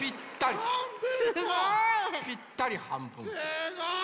すごい！